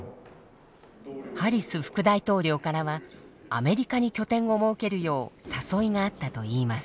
ハリス副大統領からはアメリカに拠点を設けるよう誘いがあったといいます。